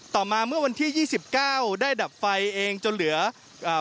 ต่อมาเมื่อวันที่ยี่สิบเก้าได้ดับไฟเองจนเหลืออ่า